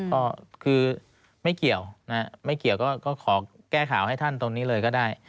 ก็คือไม่เกี่ยวไม่เกี่ยวก็ขอแก้ข่าวให้ท่านตรงนี้เลยก็ได้